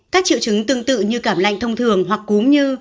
các triệu chứng tương tự như cảm lạnh thông thường hoặc cúm như